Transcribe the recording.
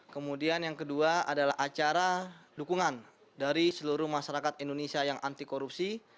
kemudian yang kedua adalah acara dukungan dari seluruh masyarakat indonesia yang anti korupsi